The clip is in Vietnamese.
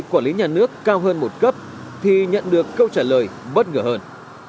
khi mà quản lý nhà nước cao hơn một cấp thì nhận được câu trả lời bất ngờ hơn